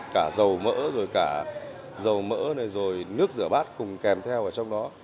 cả dầu mỡ dầu mỡ nước rửa bát cùng kèm theo trong đó